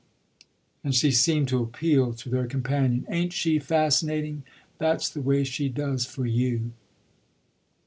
And she seemed to appeal to their companion. "Ain't she fascinating? That's the way she does for you!"